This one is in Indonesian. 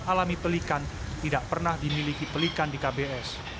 alami pelikan tidak pernah dimiliki pelikan di kbs